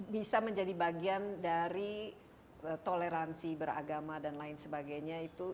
bisa menjadi bagian dari toleransi beragama dan lain sebagainya itu